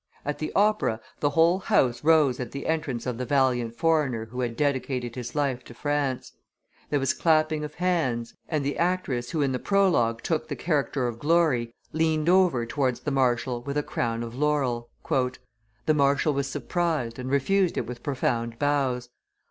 At the opera, the whole house rose at the entrance of the valiant foreigner who had dedicated his life to France; there was clapping of hands, and the actress who in the prologue took the character of Glory leaned over towards the marshal with a crown of laurel. "The marshal was surprised, and refused it with profound bows.